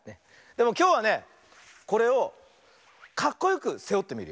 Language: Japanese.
でもきょうはねこれをかっこよくせおってみるよ。